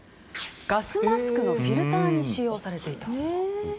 ガスマスクのフィルターに使用されていた。